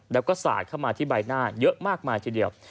แล้วก็สาดเข้ามาที่ใบหน้าเยอะมากมายทีเดียว